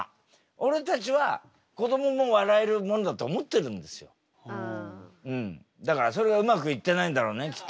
俺たちはだからそれがうまくいってないんだろうねきっとね。